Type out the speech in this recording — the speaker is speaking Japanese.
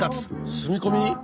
住み込み？